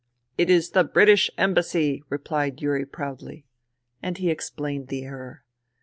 "It is the British Embassy," repHed Yuri proudly. And he explained the error.